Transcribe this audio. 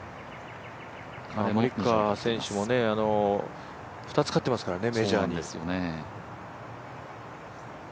モリカワ選手も２つ勝ってますからね、メジャーに。